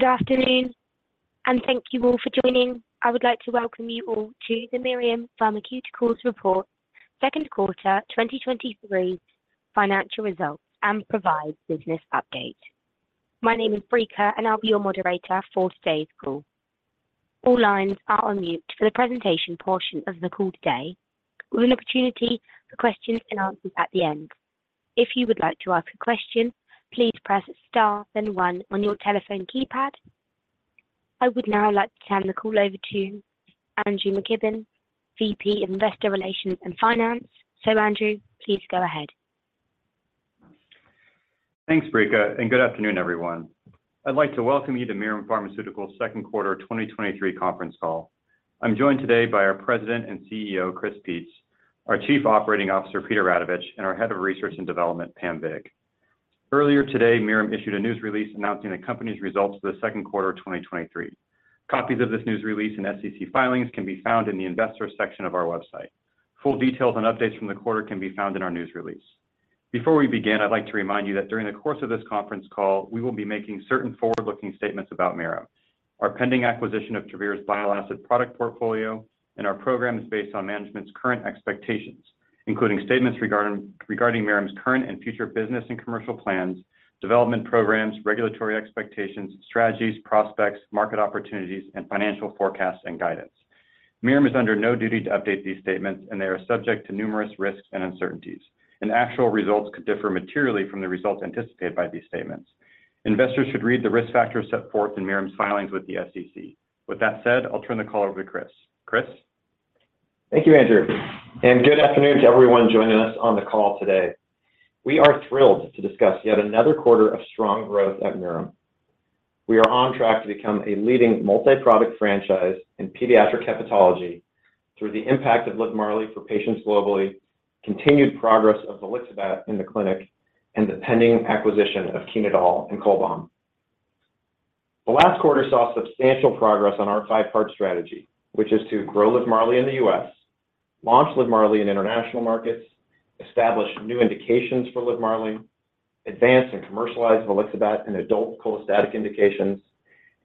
Good afternoon, and thank you all for joining. I would like to welcome you all to the Mirum Pharmaceuticals Report Second Quarter 2023 Financial Results and Provide Business Update. My name is Brika, and I'll be your moderator for today's call. All lines are on mute for the presentation portion of the call today, with an opportunity for questions and answers at the end. If you would like to ask a question, please press star, then one on your telephone keypad. I would now like to turn the call over to Andrew McKibben, VP, Investor Relations and Finance. Andrew, please go ahead. Thanks, Brika. Good afternoon, everyone. I'd like to welcome you to Mirum Pharmaceuticals Second Quarter 2023 Conference Call. I'm joined today by our President and CEO, Chris Peetz, our Chief Operating Officer, Peter Radovich, and our Head of Research and Development, Pam Vig. Earlier today, Mirum issued a news release announcing the company's results for the second quarter of 2023. Copies of this news release and SEC filings can be found in the investor section of our website. Full details and updates from the quarter can be found in our news release. Before we begin, I'd like to remind you that during the course of this conference call, we will be making certain forward-looking statements about Mirum. Our pending acquisition of Travere's bile acid product portfolio and our program is based on management's current expectations, including statements regarding Mirum's current and future business and commercial plans, development programs, regulatory expectations, strategies, prospects, market opportunities, and financial forecasts and guidance. Mirum is under no duty to update these statements, and they are subject to numerous risks and uncertainties, and actual results could differ materially from the results anticipated by these statements. Investors should read the risk factors set forth in Mirum's filings with the SEC. With that said, I'll turn the call over to Chris. Chris? Thank you, Andrew. Good afternoon to everyone joining us on the call today. We are thrilled to discuss yet another quarter of strong growth at Mirum. We are on track to become a leading multi-product franchise in pediatric hepatology through the impact of LIVMARLI for patients globally, continued progress of volixibat in the clinic, and the pending acquisition of Chenodal and Cholbam. The last quarter saw substantial progress on our five-part strategy, which is to grow LIVMARLI in the U.S., launch LIVMARLI in international markets, establish new indications for LIVMARLI, advance and commercialize volixibat in adult cholestatic indications,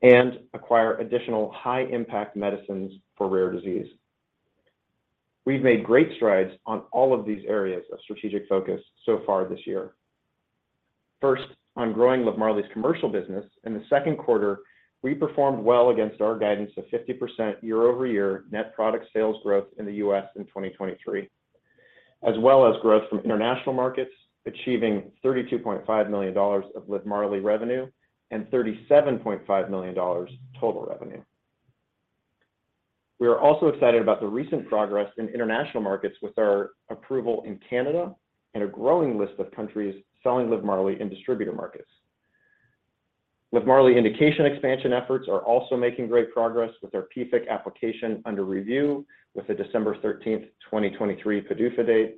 and acquire additional high-impact medicines for rare disease. We've made great strides on all of these areas of strategic focus so far this year. First, on growing LIVMARLI's commercial business, in the second quarter, we performed well against our guidance of 50% year-over-year net product sales growth in the U.S. in 2023, as well as growth from international markets, achieving $32.5 million of LIVMARLI revenue and $37.5 million total revenue. We are also excited about the recent progress in international markets with our approval in Canada and a growing list of countries selling LIVMARLI in distributor markets. LIVMARLI indication expansion efforts are also making great progress with our PFIC application under review with a December 13, 2023 PDUFA date.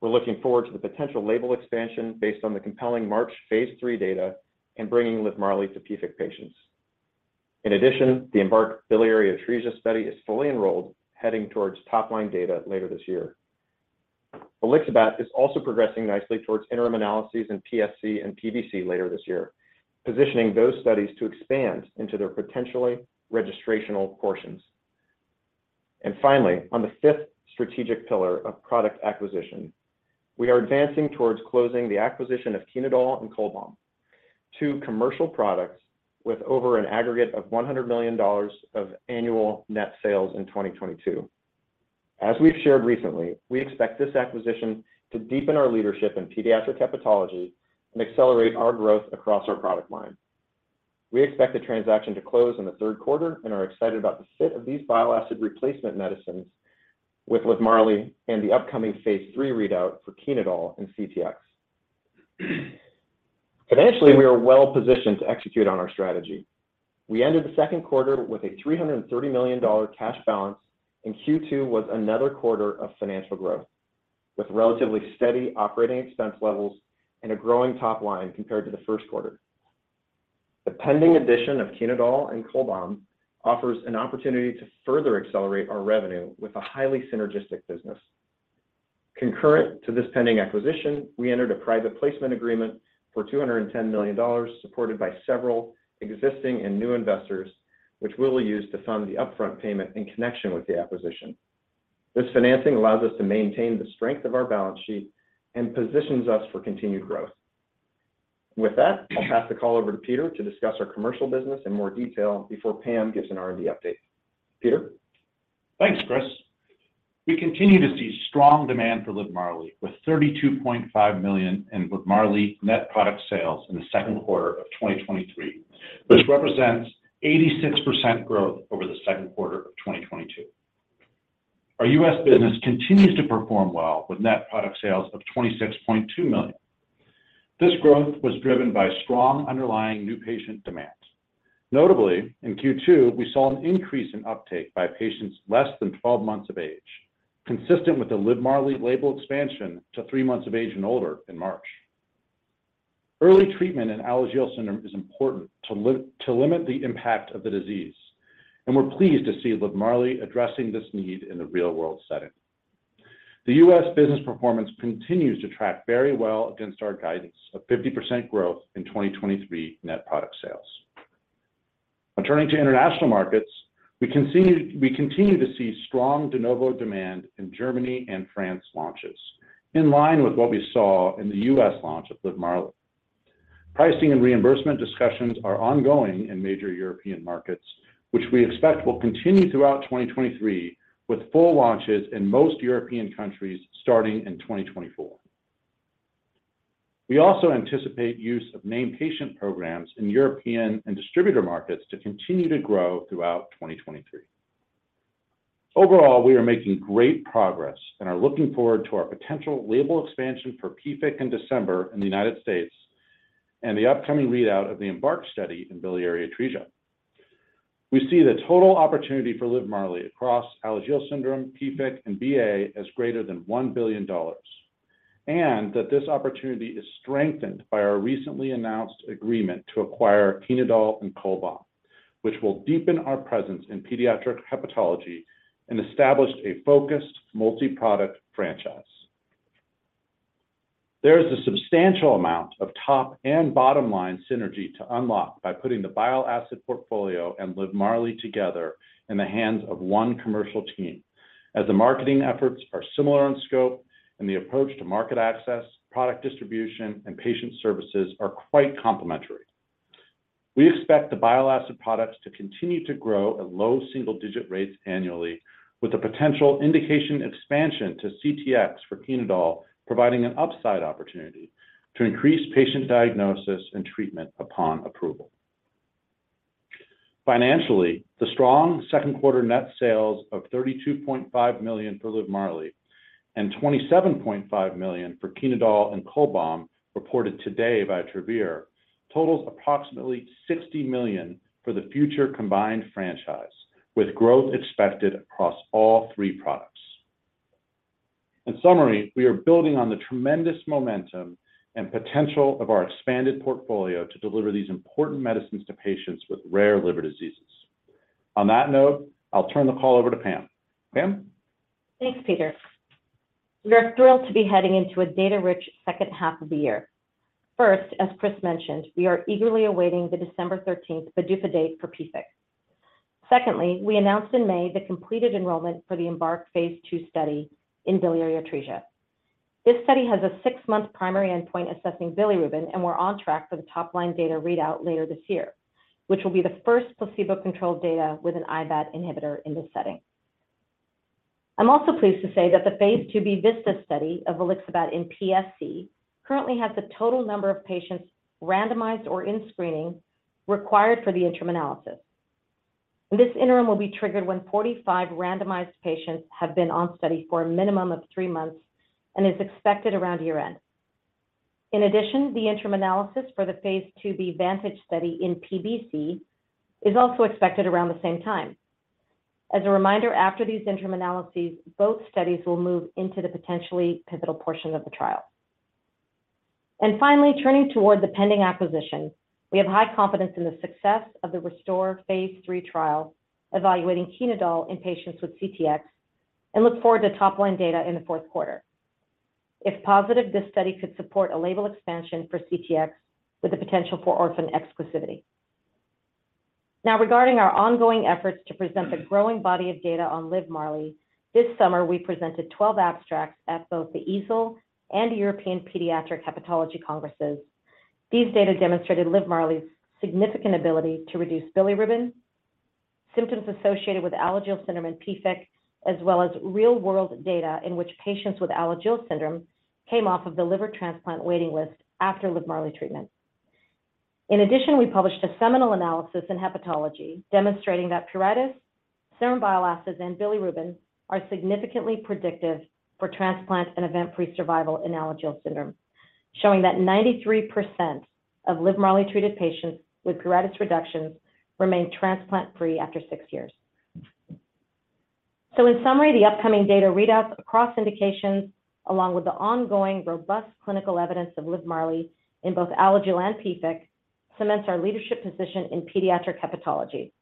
We're looking forward to the potential label expansion based on the compelling MARCH phase III data and bringing LIVMARLI to PFIC patients. In addition, the EMBARK biliary atresia study is fully enrolled, heading towards top-line data later this year. volixibat is also progressing nicely towards interim analyses in PSC and PBC later this year, positioning those studies to expand into their potentially registrational portions. Finally, on the fifth strategic pillar of product acquisition, we are advancing towards closing the acquisition of Chenodal and Cholbam, two commercial products with over an aggregate of $100 million of annual net sales in 2022. As we've shared recently, we expect this acquisition to deepen our leadership in pediatric hepatology and accelerate our growth across our product line. We expect the transaction to close in the third quarter and are excited about the fit of these bile acid replacement medicines with LIVMARLI and the upcoming phase III readout for Chenodal and CTX. Financially, we are well positioned to execute on our strategy. We ended the second quarter with a $330 million cash balance. Q2 was another quarter of financial growth, with relatively steady operating expense levels and a growing top line compared to the first quarter. The pending addition of Chenodal and Cholbam offers an opportunity to further accelerate our revenue with a highly synergistic business. Concurrent to this pending acquisition, we entered a private placement agreement for $210 million, supported by several existing and new investors, which we will use to fund the upfront payment in connection with the acquisition. This financing allows us to maintain the strength of our balance sheet and positions us for continued growth. With that, I'll pass the call over to Peter to discuss our commercial business in more detail before Pam gives an R&D update. Peter? Thanks, Chris. We continue to see strong demand for LIVMARLI, with $32.5 million in LIVMARLI net product sales in the second quarter of 2023, which represents 86% growth over the second quarter of 2022. Our U.S. business continues to perform well, with net product sales of $26.2 million. This growth was driven by strong underlying new patient demand. Notably, in Q2, we saw an increase in uptake by patients less than 12 months of age, consistent with the LIVMARLI label expansion to three months of age and older in March. Early treatment in Alagille syndrome is important to limit the impact of the disease, and we're pleased to see LIVMARLI addressing this need in the real-world setting. The U.S. business performance continues to track very well against our guidance of 50% growth in 2023 net product sales. Now turning to international markets, we continue to see strong de novo demand in Germany and France launches, in line with what we saw in the U.S. launch of LIVMARLI. Pricing and reimbursement discussions are ongoing in major European markets, which we expect will continue throughout 2023, with full launches in most European countries starting in 2024. We also anticipate use of named patient programs in European and distributor markets to continue to grow throughout 2023. Overall, we are making great progress and are looking forward to our potential label expansion for PFIC in December in the United States, and the upcoming readout of the EMBARK study in biliary atresia. We see the total opportunity for LIVMARLI across Alagille syndrome, PFIC, and BA as greater than $1 billion, and that this opportunity is strengthened by our recently announced agreement to acquire Chenodal and Cholbam, which will deepen our presence in pediatric hepatology and establish a focused multi-product franchise. There is a substantial amount of top and bottom-line synergy to unlock by putting the bile acid portfolio and LIVMARLI together in the hands of one commercial team, as the marketing efforts are similar in scope, and the approach to market access, product distribution, and patient services are quite complementary. We expect the bile acid products to continue to grow at low single-digit rates annually, with the potential indication expansion to CTX for Chenodal, providing an upside opportunity to increase patient diagnosis and treatment upon approval. Financially, the strong second quarter net sales of $32.5 million for LIVMARLI and $27.5 million for Chenodal and Cholbam, reported today by Travere, totals approximately $60 million for the future combined franchise, with growth expected across all three products. In summary, we are building on the tremendous momentum and potential of our expanded portfolio to deliver these important medicines to patients with rare liver diseases. On that note, I'll turn the call over to Pam. Pam? Thanks, Peter. We are thrilled to be heading into a data-rich second half of the year. First, as Chris mentioned, we are eagerly awaiting the December 13th PDUFA date for PFIC. Secondly, we announced in May the completed enrollment for the EMBARK phase II study in biliary atresia. This study has a six-month primary endpoint assessing bilirubin, and we're on track for the top-line data readout later this year, which will be the first placebo-controlled data with an IBAT inhibitor in this setting. I'm also pleased to say that the phase II-B VISTAS study of volixibat in PSC currently has the total number of patients randomized or in screening required for the interim analysis. This interim will be triggered when 45 randomized patients have been on study for a minimum of three months and is expected around year-end. In addition, the interim analysis for the phase II-B VANTAGE study in PBC is also expected around the same time. As a reminder, after these interim analyses, both studies will move into the potentially pivotal portion of the trial. Finally, turning toward the pending acquisition, we have high confidence in the success of the RESTORE phase III trial, evaluating Chenodal in patients with CTX, and look forward to top-line data in the fourth quarter. If positive, this study could support a label expansion for CTX with the potential for orphan exclusivity. Regarding our ongoing efforts to present the growing body of data on LIVMARLI, this summer, we presented 12 abstracts at both the EASL and European Pediatric Hepatology Congresses. These data demonstrated LIVMARLI's significant ability to reduce bilirubin, symptoms associated with Alagille syndrome and PFIC, as well as real-world data in which patients with Alagille syndrome came off of the liver transplant waiting list after LIVMARLI treatment. We published a seminal analysis in Hepatology demonstrating that pruritus, serum bile acids, and bilirubin are significantly predictive for transplant and event-free survival in Alagille syndrome, showing that 93% of LIVMARLI-treated patients with pruritus reductions remained transplant-free after six years. In summary, the upcoming data readouts across indications, along with the ongoing robust clinical evidence of LIVMARLI in both Alagille and PFIC, cements our leadership position in pediatric hepatology,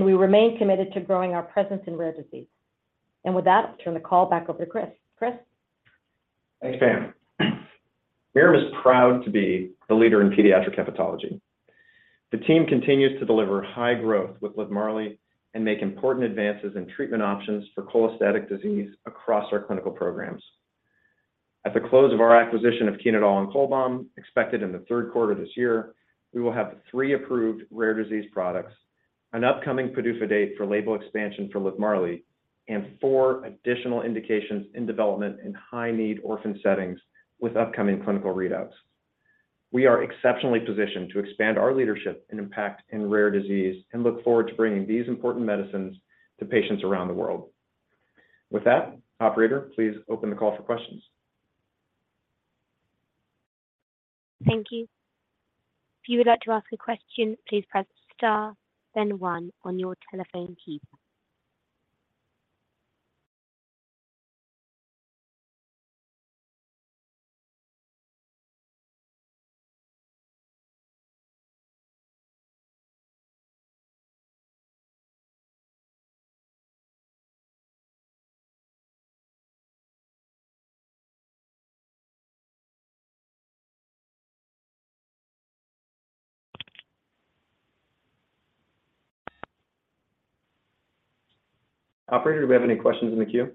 we remain committed to growing our presence in rare disease. With that, I'll turn the call back over to Chris. Chris? Thanks, Pam. Mirum is proud to be the leader in pediatric hepatology. The team continues to deliver high growth with LIVMARLI and make important advances in treatment options for cholestatic disease across our clinical programs. At the close of our acquisition of Chenodal and Cholbam, expected in the third quarter this year, we will have three approved rare disease products, an upcoming PDUFA date for label expansion for LIVMARLI, and four additional indications in development in high-need orphan settings with upcoming clinical readouts. We are exceptionally positioned to expand our leadership and impact in rare disease, look forward to bringing these important medicines to patients around the world. With that, operator, please open the call for questions. Thank you. If you would like to ask a question, please press star, then one on your telephone keypad. Operator, do we have any questions in the queue?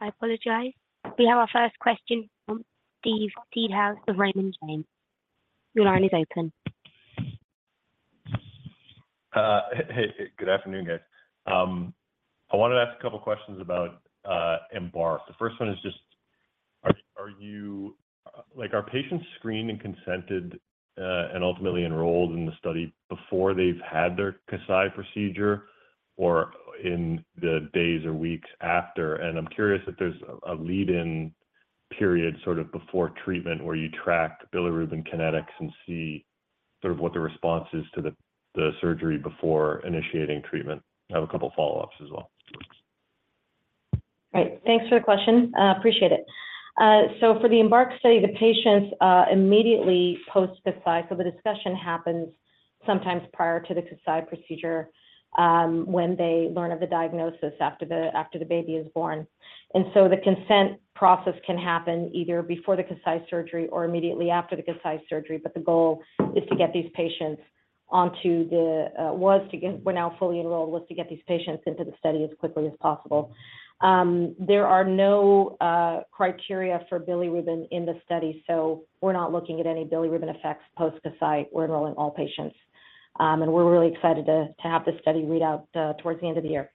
I apologize. We have our first question from Steve, Steve Seedhouse of Raymond James. Your line is open. Hey, good afternoon, guys. I wanted to ask a couple questions about EMBARK. The first one is just, like, are patients screened and consented and ultimately enrolled in the study before they've had their Kasai procedure, or in the days or weeks after? I'm curious if there's a lead-in period sort of before treatment, where you track bilirubin kinetics and see sort of what the response is to the surgery before initiating treatment. I have a couple follow-ups as well. Right. Thanks for the question. Appreciate it. For the EMBARK study, the patients immediately post Kasai, so the discussion happens sometimes prior to the Kasai procedure, when they learn of the diagnosis after the, after the baby is born. The consent process can happen either before the Kasai surgery or immediately after the Kasai surgery, but the goal is to get these patients onto the. We're now fully enrolled, was to get these patients into the study as quickly as possible. There are no criteria for bilirubin in the study, so we're not looking at any bilirubin effects post Kasai. We're enrolling all patients. We're really excited to, to have the study read out towards the end of the year.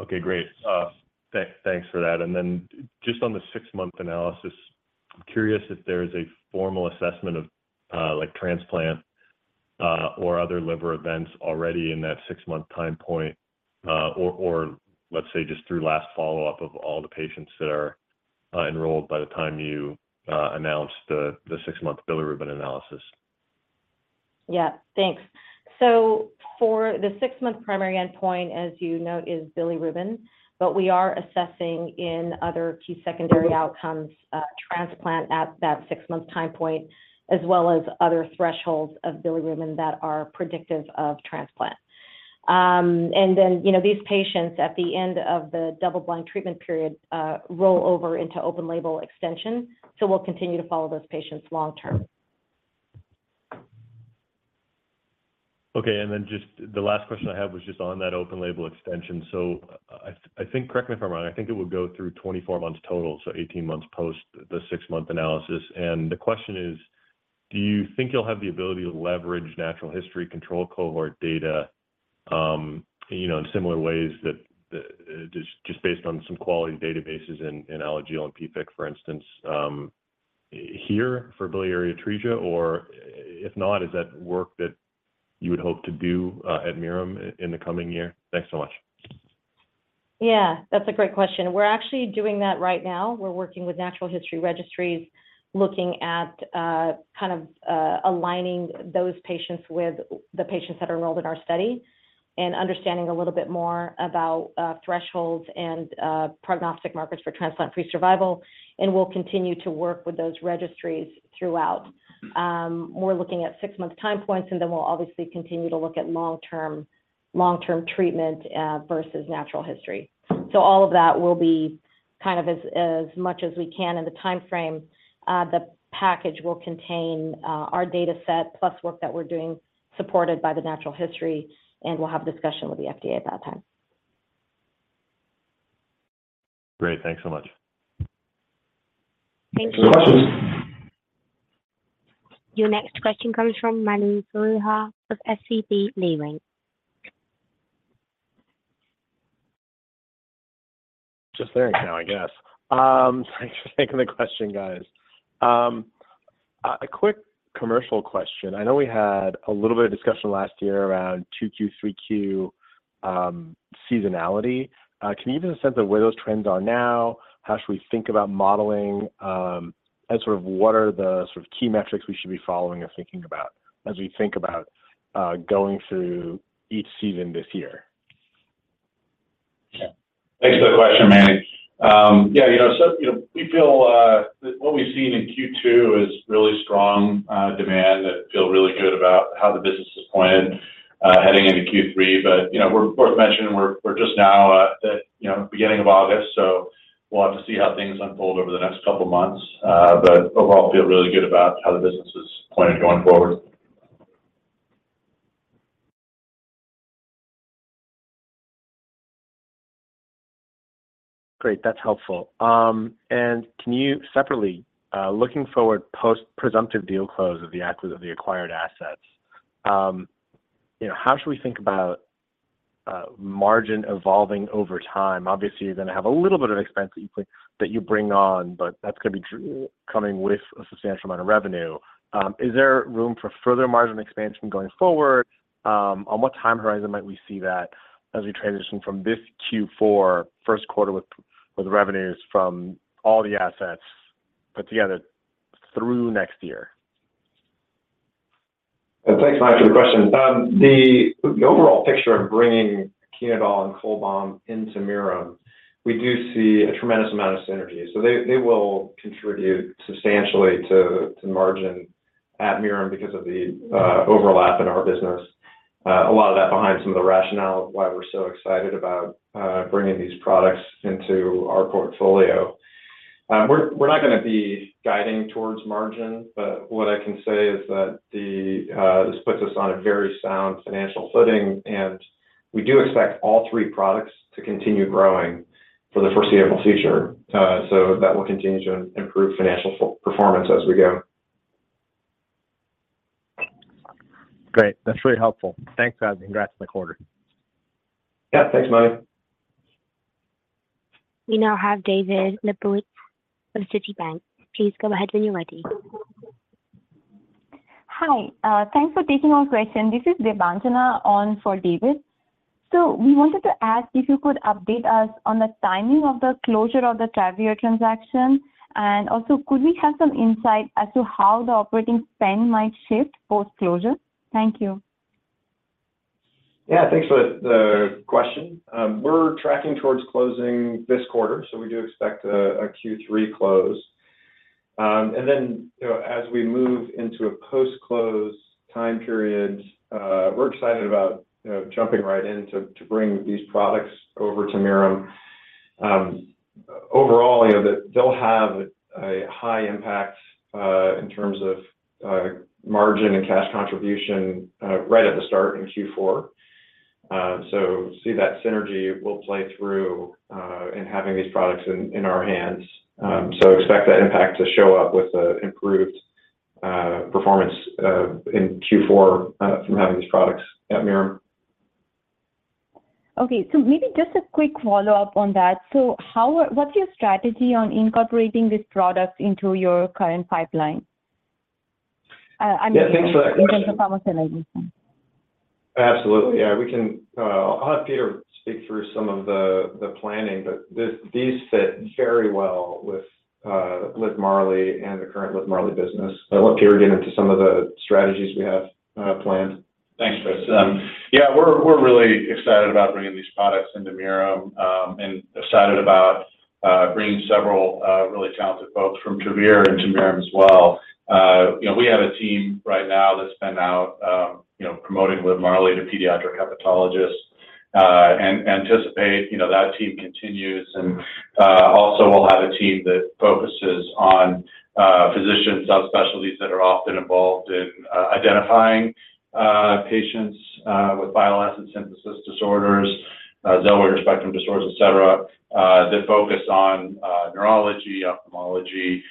Okay, great. Thank, thanks for that. Then just on the six-month analysis, I'm curious if there is a formal assessment of like transplant or other liver events already in that six-month time point, or, or let's say just through last follow-up of all the patients that are enrolled by the time you announce the six-month bilirubin analysis? Yeah. Thanks. For the six-month primary endpoint, as you note, is bilirubin, but we are assessing in other key secondary outcomes, transplant at that six-month time point, as well as other thresholds of bilirubin that are predictive of transplant. You know, these patients, at the end of the double-blind treatment period, roll over into open label extension, so we'll continue to follow those patients long term. Okay, then just the last question I had was just on that open label extension. I, I think, correct me if I'm wrong, I think it would go through 24 months total, so 18 months post the six-month analysis. The question is: Do you think you'll have the ability to leverage natural history control cohort data, you know, in similar ways that just, just based on some quality databases in, in ALGS and PFIC, for instance, here for biliary atresia? If not, is that work that you would hope to do at Mirum in the coming year? Thanks so much. Yeah, that's a great question. We're actually doing that right now. We're working with natural history registries, looking at, kind of, aligning those patients with the patients that are enrolled in our study and understanding a little bit more about thresholds and prognostic markers for transplant-free survival, and we'll continue to work with those registries throughout. We're looking at six-month time points, and then we'll obviously continue to look at long-term, long-term treatment versus natural history. All of that will be kind of as, as much as we can in the timeframe. The package will contain our data set plus work that we're doing supported by the natural history, and we'll have discussion with the FDA at that time. Great. Thanks so much. Thank you. Your next question comes from Mani Foroohar of SVB Leerink. Just there now, I guess. Thanks for taking the question, guys. A quick commercial question. I know we had a little bit of discussion last year around 2Q, 3Q seasonality. Can you give us a sense of where those trends are now? How should we think about modeling, and what are the key metrics we should be following or thinking about as we think about going through each season this year? Yeah. Thanks for the question, Mani. Yeah, you know, so, you know, we feel that what we've seen in Q2 is really strong demand, that feel really good about how the business is pointed heading into Q3. You know, we're worth mentioning we're, we're just now at the, you know, beginning of August, so we'll have to see how things unfold over the next couple of months. Overall, feel really good about how the business is pointed going forward. Great. That's helpful. Can you separately, looking forward post-presumptive deal close of the acquired, of the acquired assets, how should we think about margin evolving over time? Obviously, you're gonna have a little bit of expense that you bring on, but that's gonna be coming with a substantial amount of revenue. Is there room for further margin expansion going forward? On what time horizon might we see that as we transition from this Q4 first quarter with revenues from all the assets put together through next year? Thanks, Mani, for the question. The overall picture of bringing Chenodal and Cholbam into Mirum, we do see a tremendous amount of synergy. They will contribute substantially to margin at Mirum because of the overlap in our business. A lot of that behind some of the rationale of why we're so excited about bringing these products into our portfolio. We're not gonna be guiding towards margin, but what I can say is that this puts us on a very sound financial footing, and we do expect all three products to continue growing for the foreseeable future. That will continue to improve financial performance as we go. Great. That's really helpful. Thanks, guys, and congrats on the quarter. Yeah. Thanks, Mani. We now have David Lebowitz of Citibank. Please go ahead when you're ready. Hi, thanks for taking our question. This is [Debanchana] on for David. So we wanted to ask if you could update us on the timing of the closure of the Travere transaction, and also, could we have some insight as to how the operating spend might shift post-closure? Thank you. Yeah, thanks for the question. We're tracking towards closing this quarter, so we do expect a Q3 close. You know, as we move into a post-close time period, we're excited about jumping right in to bring these products over to Mirum. Overall, you know, they'll have a high impact in terms of margin and cash contribution right at the start in Q4. That synergy will play through in having these products in our hands. Expect that impact to show up with the improved performance in Q4 from having these products at Mirum. Okay. Maybe just a quick follow-up on that. How, what's your strategy on incorporating this product into your current pipeline? I mean- Yeah, thanks for that question. In terms of pharmaceutical. Absolutely. Yeah, we can, I'll have Peter speak through some of the, the planning, but these fit very well with LIVMARLI and the current LIVMARLI business. I'll let Peter get into some of the strategies we have planned. Thanks, Chris. yeah, we're, we're really excited about bringing these products into Mirum, and excited about bringing several really talented folks from Travere into Mirum as well. you know, we have a team right now that's been out, you know, promoting LIVMARLI to pediatric hepatologists, and anticipate, you know, that team continues. Also we'll have a team that focuses on physician subspecialties that are often involved in identifying patients with bile acid synthesis disorders, Zellweger spectrum disorders, et cetera, that focus on neurology, ophthalmology,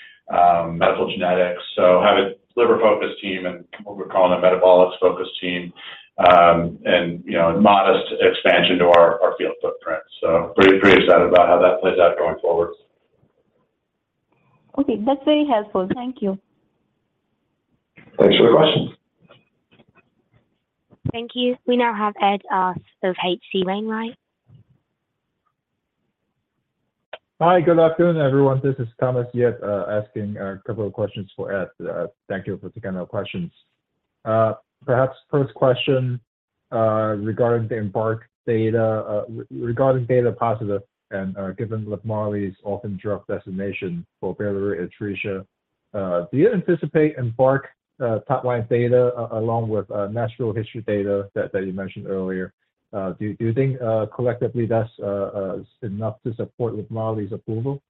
medical genetics. Have a liver-focused team and what we're calling a metabolics-focused team, and, you know, a modest expansion to our, our field footprint. Pretty, pretty excited about how that plays out going forward. Okay. That's very helpful. Thank you. Thanks for the question. Thank you. We now have Ed Arce of H.C. Wainwright. Hi, good afternoon, everyone. This is Thomas Yip, asking a couple of questions for Ed. Thank you for taking our questions. Perhaps first question regarding the EMBARK data, regarding data positive and given LIVMARLI's orphan drug designation for biliary atresia, do you anticipate EMBARK top-line data, along with natural history data that you mentioned earlier, do you think collectively that's enough to support LIVMARLI's approval?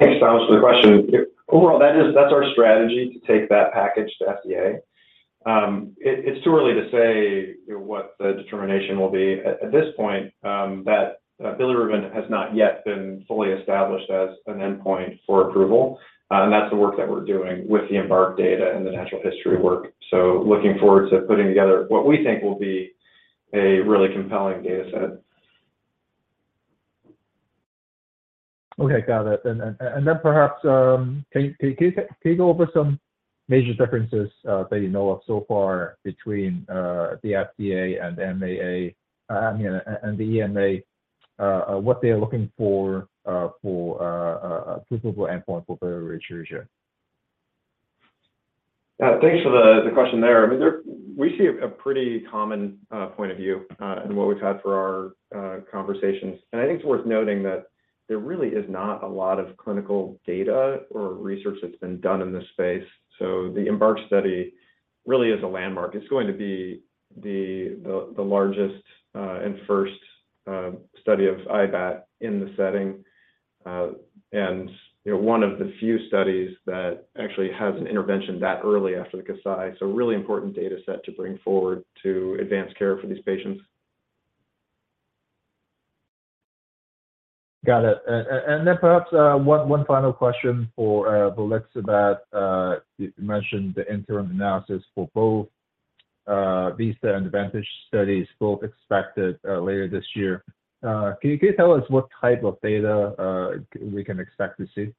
Thanks, Thomas, for the question. Overall, that's our strategy, to take that package to FDA. It's too early to say, you know, what the determination will be. At this point, that biliverdin has not yet been fully established as an endpoint for approval, and that's the work that we're doing with the EMBARK data and the natural history work. Looking forward to putting together what we think will be a really compelling data set. Okay, got it. Then perhaps, can you go over some major differences that you know of so far between the FDA and the MAA, I mean, and the EMA, what they're looking for, for approval endpoint for biliary atresia? Thanks for the question there. I mean, we see a pretty common point of view in what we've had for our conversations. I think it's worth noting that there really is not a lot of clinical data or research that's been done in this space. The EMBARK study really is a landmark. It's going to be the largest and first study of IBAT in the setting, and, you know, one of the few studies that actually has an intervention that early after the Kasai. A really important data set to bring forward to advance care for these patients. Got it. Then perhaps one final question for volixibat. You mentioned the interim analysis for both VISTAS and VANTAGE studies, both expected later this year. Can you tell us what type of data we can expect to see?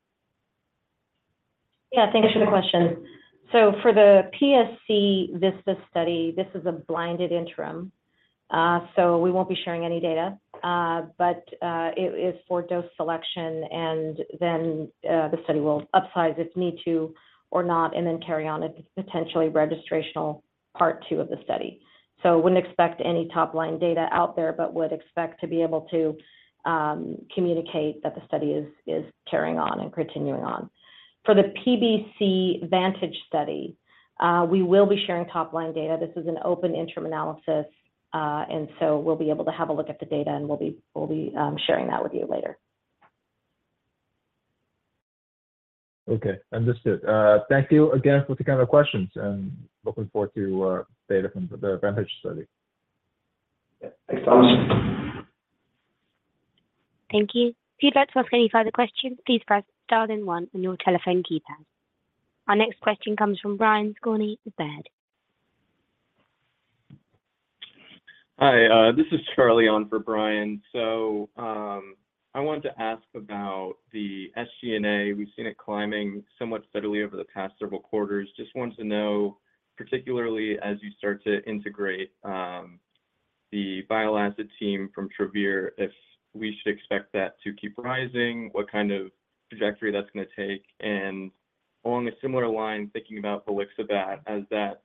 Yeah, thank you for the question. For the PSC VISTAS study, this is a blinded interim, so we won't be sharing any data. It is for dose selection, and then the study will upsize if need to or not, and then carry on a potentially registrational part two of the study. Wouldn't expect any top-line data out there, but would expect to be able to communicate that the study is, is carrying on and continuing on. For the PBC VANTAGE study, we will be sharing top-line data. This is an open interim analysis, and we'll be able to have a look at the data, and we'll be, we'll be sharing that with you later. Okay, understood. Thank you again for the kind of questions, and looking forward to data from the VANTAGE study. Yeah. Thanks Thomas. Thank you. If you'd like to ask any further questions, please press star then one on your telephone keypad. Our next question comes from Brian Skorney with Baird. Hi, this is Charlie on for Brian. I wanted to ask about the SG&A. We've seen it climbing somewhat steadily over the past several quarters. Just wanted to know, particularly as you start to integrate the bile acid team from Travere, if we should expect that to keep rising, what kind of trajectory that's gonna take? Along a similar line, thinking about volixibat, as that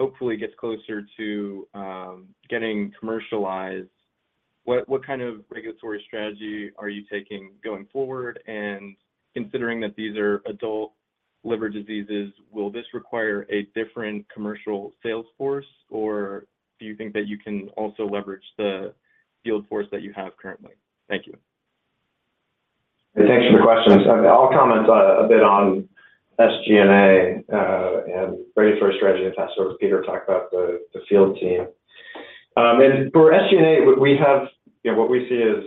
hopefully gets closer to getting commercialized, what, what kind of regulatory strategy are you taking going forward? Considering that these are adult liver diseases, will this require a different commercial sales force, or do you think that you can also leverage the field force that you have currently? Thank you. Thanks for the questions. I'll comment a bit on SG&A and ready for a strategy, and I'll let Peter talk about the field team. For SG&A, we, we have, you know, what we see is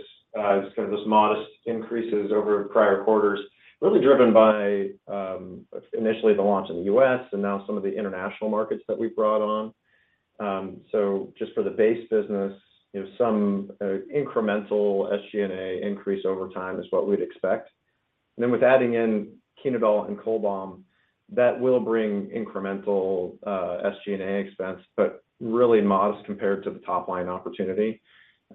just kind of those modest increases over prior quarters, really driven by initially the launch in the U.S. and now some of the international markets that we've brought on. Just for the base business, you know, some incremental SG&A increase over time is what we'd expect. Then, with adding in Chenodal and Cholbam, that will bring incremental SG&A expense, but really modest compared to the top-line opportunity.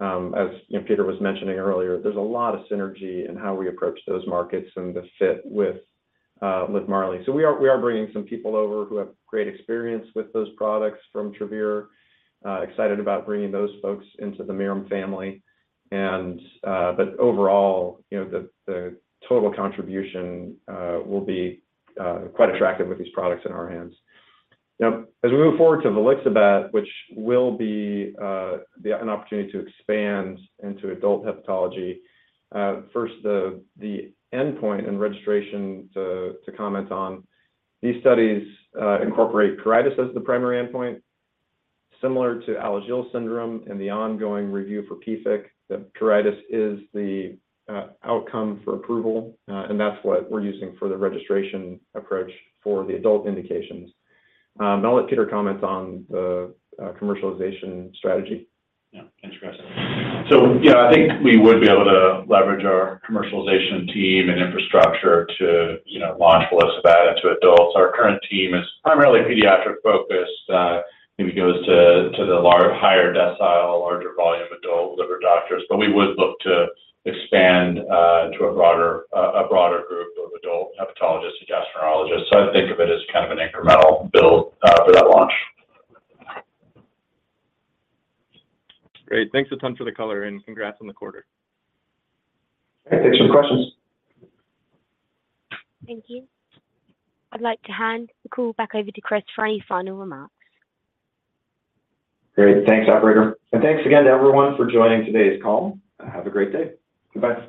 As, you know, Peter was mentioning earlier, there's a lot of synergy in how we approach those markets and the fit with LIVMARLI. We are, we are bringing some people over who have great experience with those products from Travere. Excited about bringing those folks into the Mirum family. Overall, you know, the, the total contribution will be quite attractive with these products in our hands. Now, as we move forward to volixibat, which will be the, an opportunity to expand into adult hepatology. First, the, the endpoint and registration to, to comment on. These studies incorporate pruritus as the primary endpoint, similar to Alagille syndrome and the ongoing review for PFIC. The pruritus is the outcome for approval, and that's what we're using for the registration approach for the adult indications. I'll let Peter comment on the commercialization strategy. Yeah. Thanks, Chris. Yeah, I think we would be able to leverage our commercialization team and infrastructure to, you know, launch volixibat into adults. Our current team is primarily pediatric focused, and it goes to, to the large, higher decile, larger volume adult liver doctors. We would look to expand into a broader, a broader group of adult hepatologists and gastroenterologists. I think of it as kind of an incremental build for that launch. Great. Thanks a ton for the color and congrats on the quarter. Okay. Thanks for the questions. Thank you. I'd like to hand the call back over to Chris for any final remarks. Great. Thanks, operator, and thanks again to everyone for joining today's call. Have a great day. goodbye.